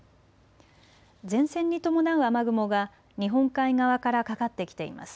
前線に伴う雨雲が日本海側からかかってきています。